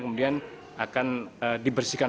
kemudian akan dibersihkan